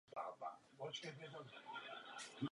Nemůžeme to odbýt patetickou almužnou.